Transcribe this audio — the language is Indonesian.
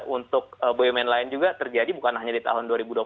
untuk bumn lain juga terjadi bukan hanya di tahun dua ribu dua puluh